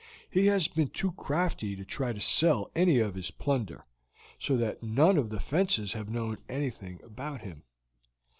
He has been too crafty to try to sell any of his plunder, so that none of the fences have known anything about him.